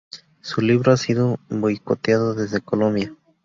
Su libro ha sido boicoteado desde Colombia.